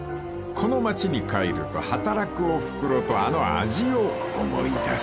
［この町に帰ると働くおふくろとあの味を思い出す］